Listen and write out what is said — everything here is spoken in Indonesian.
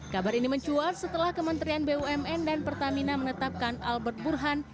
kabar ini mencuat setelah kementerian bumn dan pertamina menetapkan albert burhan